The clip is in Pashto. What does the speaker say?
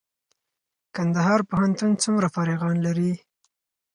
کندهار پوهنتون څومره فارغان لري؟